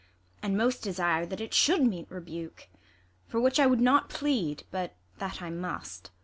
And most desire that it should meet rebuke ; For which I would not plead, but that I must.